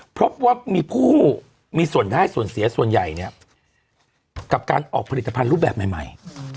พบว่ามีผู้มีส่วนได้ส่วนเสียส่วนใหญ่เนี่ยกับการออกผลิตภัณฑ์รูปแบบใหม่